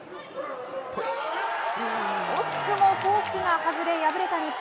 惜しくもコースが外れ敗れた日本。